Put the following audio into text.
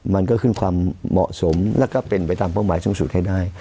มันก็ขึ้นความเหมาะสมแล้วก็เป็นไปตามเป้าหมายสูงสุดให้ได้